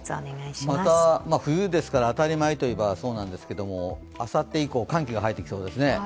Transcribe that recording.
また冬ですから、当たり前といえば、そうなんですがあさって以降、寒気が入ってきそうですね。